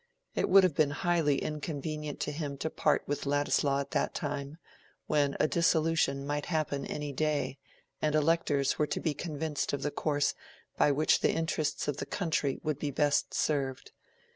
It would have been highly inconvenient to him to part with Ladislaw at that time, when a dissolution might happen any day, and electors were to be convinced of the course by which the interests of the country would be best served.